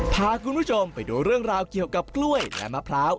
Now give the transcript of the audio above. พาคุณผู้ชมไปดูเรื่องราวเกี่ยวกับกล้วยและมะพร้าว